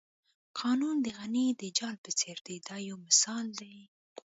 قانون د غڼې د جال په څېر دی دا یو مثال دی.